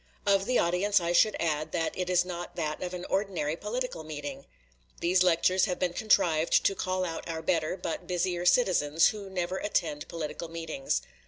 Of the audience I should add that it is not that of an ordinary political meeting. These lectures have been contrived to call out our better, but busier citizens, who never attend political meetings.